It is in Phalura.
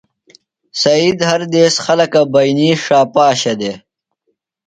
سید ہر دیس خلکہ بئینی ݜا پاشہ دےۡ۔